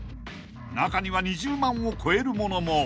［中には２０万を超えるものも］